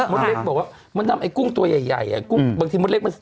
ม้นเล็กบอกว่ามลำกุ้งโตวใหญ่บางทีม้นเล็กมัน